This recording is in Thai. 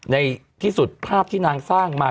ในที่สุดภาพที่นางสร้างมา